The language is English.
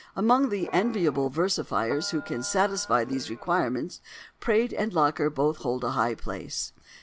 Among the enviable versifiers who can satisfy these requirements Praed and Locker both hold a high place.